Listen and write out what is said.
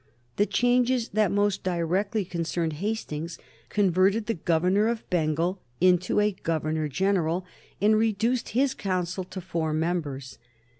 The changes that most directly concerned Hastings converted the Governor of Bengal into a Governor General, and reduced his Council to four members.